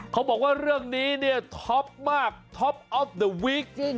เขาบอกว่าเรื่องนี้เนี่ยท็อปมากท็อปออฟเดอวิก